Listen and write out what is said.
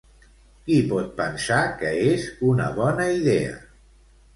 Qui pot pensar que és una bona idea?